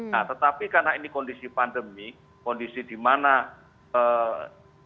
nah tetapi karena ini kondisi pandemi kondisi di mana